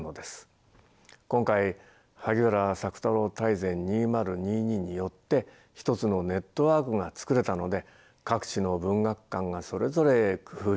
今回「萩原朔太郎大全２０２２」によって一つのネットワークが作れたので各地の文学館がそれぞれ工夫してきた対策を検討